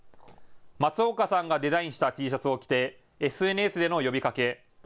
松岡さんがデザインしたＴシャツを着てＳＮＳでの呼びかけ。